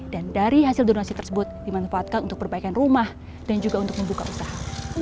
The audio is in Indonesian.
dan dari hasil donasi tersebut dimanfaatkan untuk perbaikan rumah dan juga untuk membuka usaha